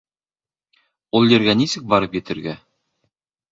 Ул ергә нисек барып етергә?